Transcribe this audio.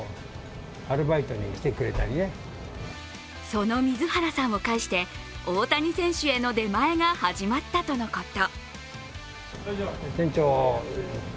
その水原さんを介して、大谷選手への出前が始まったとのこと。